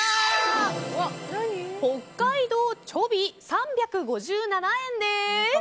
北海道チョび、３５７円です。